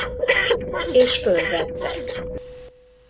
És fölvettek.